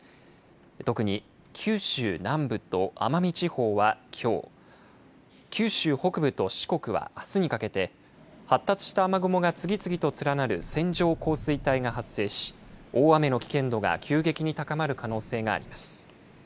特に九州南部と奄美地方は、きょう九州北部と四国はあすにかけて発達した雨雲が次々と連なる線状降水帯が発生し大雨の危険度が急激に高まる可能性があります。